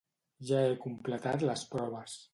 Ja he completat les proves.